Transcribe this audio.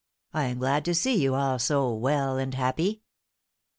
I am glad to see you all so well and happy."